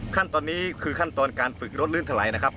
ขั้นตอนนี้คือขั้นตอนการฝึกรถลื่นถลายนะครับ